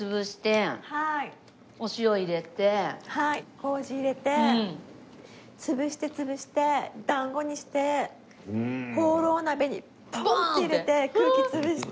こうじ入れて潰して潰して団子にしてホーロー鍋にポンって入れて空気潰して。